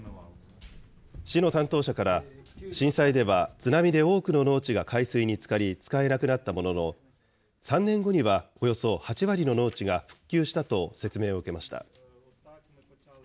津波で多くの農地が海水につかり、使えなくなったものの、３年後にはおよそ８割の農地が復旧したと説明を受けました。